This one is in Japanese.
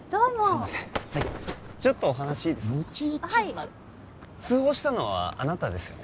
むち打ちになる通報したのはあなたですよね？